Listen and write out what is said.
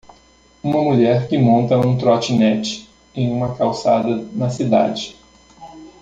Uma mulher que monta um "trotinette" em uma calçada na cidade.